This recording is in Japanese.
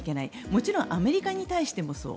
もちろんアメリカに対してもそう。